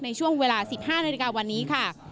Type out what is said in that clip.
ในช่วงเวลา๑๕นาฬิกาวันนี้ค่ะ